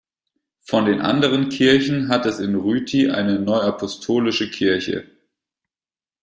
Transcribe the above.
Von den anderen Kirchen hat es in Rüti eine Neuapostolische Kirche.